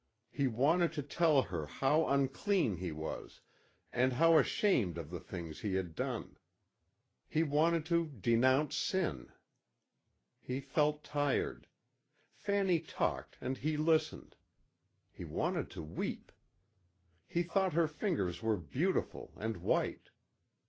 He wanted to tell her how unclean he was and how ashamed of the things he had done. He wanted to denounce sin. He felt tired. Fanny talked and he listened. He wanted to weep. He thought her fingers were beautiful and white.